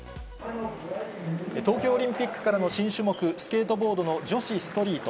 東京オリンピックからの新種目、スケートボードの女子ストリート。